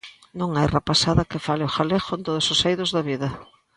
Non hai rapazada que fale o galego en todos os eidos da vida.